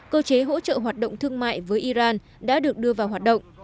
cơ chế hỗ trợ hoạt động thương mại với iran đã được đưa vào hoạt động